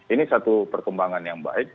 ini satu perkembangan yang baik